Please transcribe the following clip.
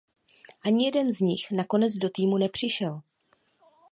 Ani jeden z nich nakonec do týmu nepřišel.